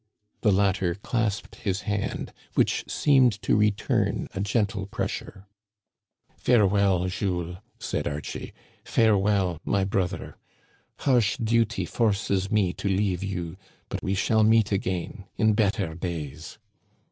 The latter clasped his hand, which seemed to return a gentle pressure. Farewell, Jules," said Archie. Farewell, my brother. Harsh duty forces me to leave you ; but we shall meet again, in better days."